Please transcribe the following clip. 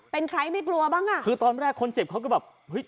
เป็นใครไม่กลัวบ้างอ่ะคือตอนแรกคนเจ็บเขาก็แบบเฮ้ย